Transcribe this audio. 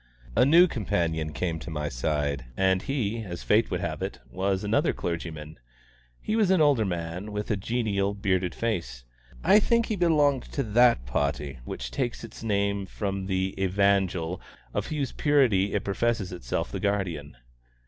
A new companion came to my side, and he, as fate would have it, was another clergyman. He was an older man, with a genial, bearded face. I think he belonged to that party which takes its name from the Evangel of whose purity it professes itself the guardian.